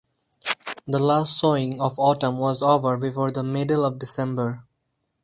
The last sowing of autumn was over before the middle of December.